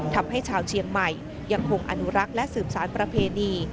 ทำให้ชาวเชียงใหม่ยังคงอนุรักษ์และสืบสารประเพณี